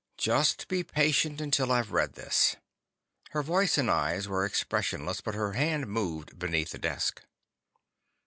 "Just be patient until I've read this." Her voice and eyes were expressionless, but her hand moved beneath the desk.